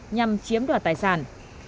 nhằm chiếm đoạt tài sản